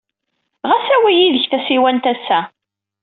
Ɣas awey yid-k tasiwant ass-a.